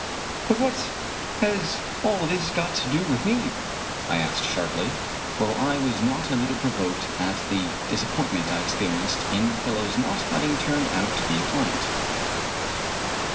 "But what has all this got to do with me?" I asked 29 Irish Mystery Stories sharply; for I was not a little provoked at the disappoint ment I experienced in the fellow's not having turned out to be a client.